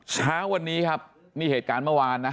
เช้าวันนี้ครับนี่เหตุการณ์เมื่อวานนะ